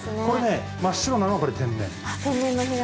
これね真っ白なのが。